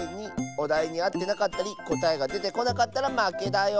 おだいにあってなかったりこたえがでてこなかったらまけだよ。